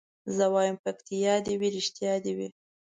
زه وايم پکتيا دي وي رښتيا دي وي